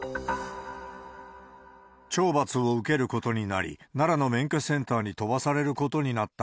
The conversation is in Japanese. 懲罰を受けることになり、奈良の免許センターに飛ばされることになった。